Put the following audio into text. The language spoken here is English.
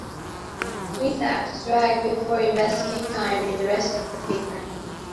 Read the abstract before investing time in the rest of the paper.